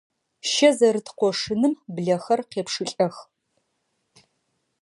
Щэ зэрыт къошыным блэхэр къепшылӀэх.